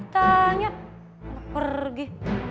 tanya malah pergi